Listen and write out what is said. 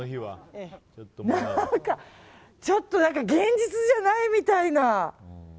何か、ちょっと現実じゃないみたいな。